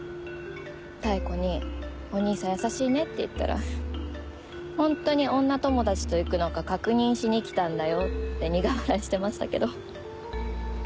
妙子にお兄さん優しいねって言ったら本当に女友達と行くのか確認しに来たんだよって苦笑いしてましたけど。